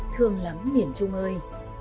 thương lắm miền trung ơi